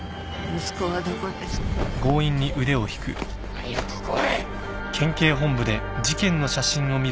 早く来い！